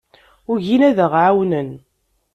Ugin ad aɣ-ɛawnen.